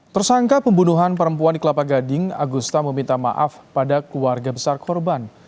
tersangka pembunuhan perempuan di kelapa gading agusta meminta maaf pada keluarga besar korban